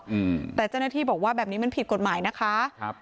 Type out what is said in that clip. อืมแต่เจ้าหน้าที่บอกว่าแบบนี้มันผิดกฎหมายนะคะครับ